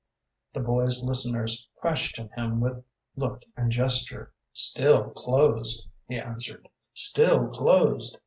The boy's listeners questioned him with look and gesture. "Still closed," he answered; "still closed.